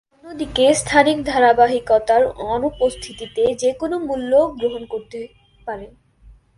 অন্যদিকে, স্থানিক ধারাবাহিকতার অনুপস্থিতিতে যে কোন মূল্য গ্রহণ করতে পারে।